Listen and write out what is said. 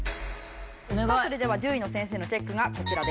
さあそれでは獣医の先生のチェックがこちらです。